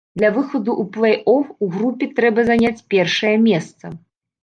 Для выхаду ў плэй-оф у групе трэба заняць першае месца.